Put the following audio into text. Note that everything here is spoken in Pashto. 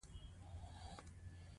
په هر یو میلیارد انسان کې